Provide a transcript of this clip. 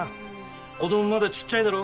子供まだちっちゃいだろ？